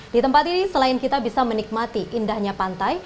di tempat ini selain kita bisa menikmati indahnya pantai